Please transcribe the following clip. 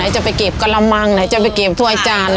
จะไปเก็บกระมังไหนจะไปเก็บถ้วยจาน